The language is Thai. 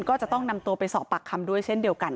ก็จะต้องนำตัวไปสอบปากคำด้วยเช่นเดียวกัน